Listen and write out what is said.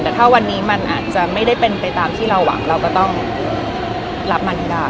แต่ถ้าวันนี้มันอาจจะไม่ได้เป็นไปตามที่เราหวังเราก็ต้องรับมันให้ได้